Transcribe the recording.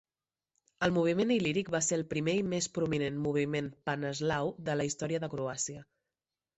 El moviment il·líric va ser el primer i més prominent moviment paneslau de la història de Croàcia.